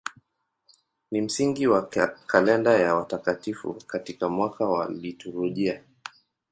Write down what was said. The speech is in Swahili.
Ni msingi wa kalenda ya watakatifu katika mwaka wa liturujia.